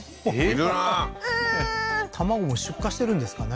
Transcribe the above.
卵も出荷してるんですかね？